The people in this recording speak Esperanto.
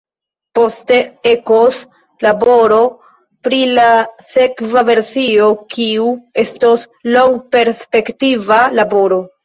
Poste ekos laboro pri la sekva versio, kiu estos longperspektiva laboro.